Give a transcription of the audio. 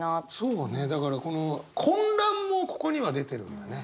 そうねだから混乱もここには出てるんだね。